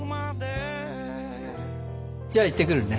じゃあいってくるね。